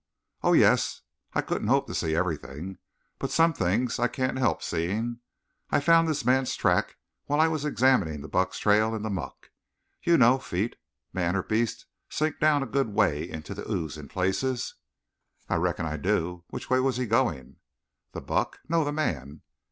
"Oh, yes, I couldn't hope to see everything. But some things I can't help seeing. I found this man's tracks while I was examining the buck's trail in the muck. You know feet, man or beast, sink down a good way into the ooze in places." "I reckon I do. Which way was he going?" "The buck?" "No, the man."